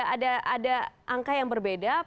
ada angka yang berbeda